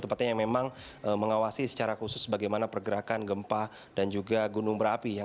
tempatnya yang memang mengawasi secara khusus bagaimana pergerakan gempa dan juga gunung berapi